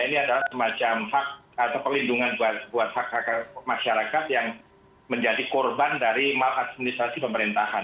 ini adalah semacam hak atau pelindungan buat hak hak masyarakat yang menjadi korban dari maladministrasi pemerintahan